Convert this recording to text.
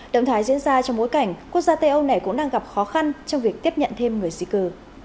động thái diễn ra trong bối cảnh quốc gia tây âu này cũng đang gặp khó khăn trong việc tiếp nhận thêm người di cư